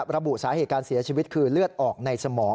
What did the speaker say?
ระบุสาเหตุการเสียชีวิตคือเลือดออกในสมอง